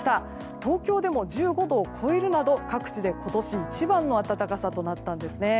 東京でも１５度を超えるなど各地で今年一番の暖かさとなったんですね。